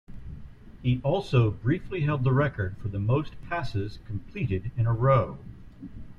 He also briefly held the record for the most passes completed in a row.